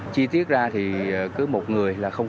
chi tiết ra thì cứ một người là hai mươi năm